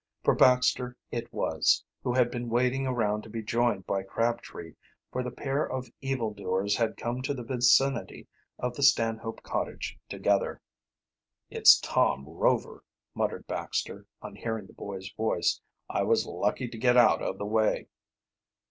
For Baxter it was, who had been waiting around to be joined by Crabtree, for the pair of evil doers had come to the vicinity of the Stanhope cottage together. "It's Tom Rover," muttered Baxter, on hearing the boy's voice. "I was lucky to get out of the way."